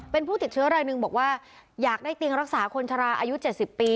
เป็นผู้ติดเชื้อรายหนึ่งบอกว่าอยากได้เตียงรักษาคนชะลาอายุ๗๐ปี